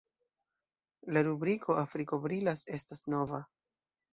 La rubriko "Afriko brilas" estas nova.